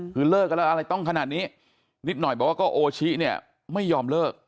คือเลิกกันแล้วอะไรต้องขนาดนี้นิดหน่อยบอกว่าก็โอชิเนี่ยไม่ยอมเลิก